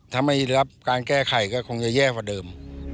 ถ้าไม่รับการแก้ไขก็คงจะแย่กว่าเดิม